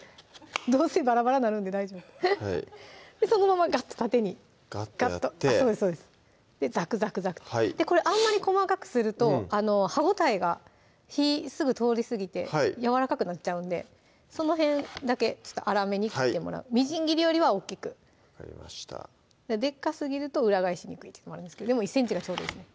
どうせバラバラなるんで大丈夫そのままガッと縦にガッとやってそうですそうですでザクザクザクとこれあんまり細かくすると歯応えが火すぐ通りすぎてやわらかくなっちゃうんでその辺だけちょっと粗めに切ってもらうみじん切りよりは大っきく分かりましたでっかすぎると裏返しにくいっていうのもあるんですけどでも１ｃｍがちょうどいいですね